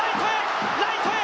ライトへ。